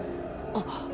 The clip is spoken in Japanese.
あっ。